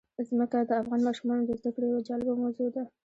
ځمکه د افغان ماشومانو د زده کړې یوه جالبه موضوع ده.